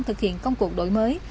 thực hiện công cuộc đổi mới